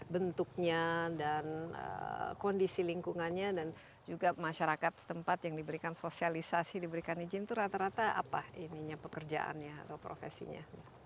bentuknya dan kondisi lingkungannya dan juga masyarakat setempat yang diberikan sosialisasi diberikan izin itu rata rata apa ininya pekerjaannya atau profesinya